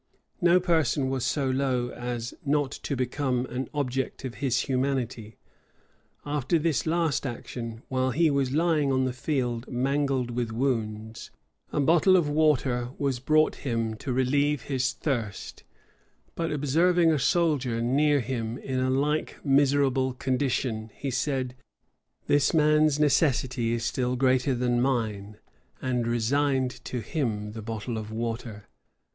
No person was so low as not to become an object of his humanity. After this last action, while he was lying on the field mangled with wounds, a bottle of water was brought him to relieve his thirst; but observing a soldier near him in a like miserable condition, he said, "This man's necessity is still greater than mine;" and resigned to him the bottle of water.